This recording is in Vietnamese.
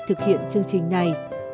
thực hiện chương trình này